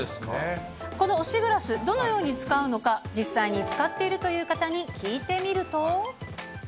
この推しグラス、どのように使うのか、実際に使っているという方に聞いてみると。